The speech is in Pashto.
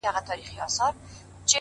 • دا نظم وساته موسم به د غوټیو راځي,